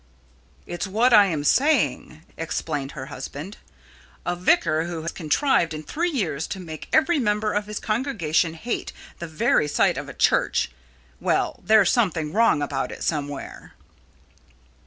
"It's what I am saying," explained her husband. "A vicar who has contrived in three years to make every member of his congregation hate the very sight of a church well, there's something wrong about it somewhere."